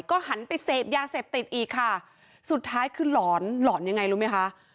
ก็หันไปเสพยาเสพติดอีกค่ะสุดท้ายคือหลอนหลอนยังไงรู้ไหมคะ